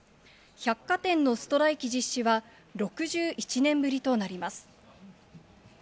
百貨店のストライキ実施は６１年ぶりとなります。